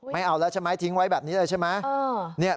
ไม่เอาแล้วใช่ไหมทิ้งไว้แบบนี้เลยใช่ไหม